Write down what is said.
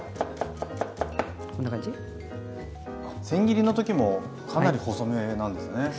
せん切りの時もかなり細めなんですね。